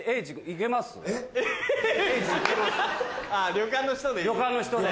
旅館の人で。